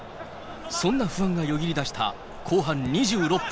そんな不安がよぎりだした後半２６分。